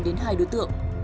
đến hai đối tượng